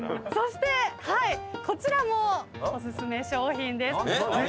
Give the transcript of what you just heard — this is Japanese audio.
そしてこちらもおすすめ商品です。